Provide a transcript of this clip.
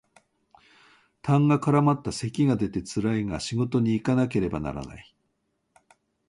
痰が絡まった咳が出てつらいが仕事にいかなければならない